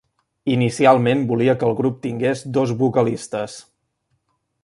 Inicialment volia que el grup tingués dos vocalistes.